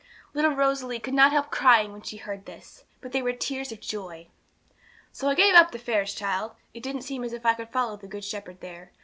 Little Rosalie could not help crying when she heard this, but they were tears of joy. 'So I gave up the fairs, child; it didn't seem as if I could follow the Good Shepherd there.